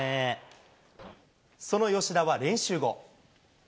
その吉田は練習後。